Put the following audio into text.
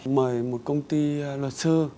mời một công ty luật sư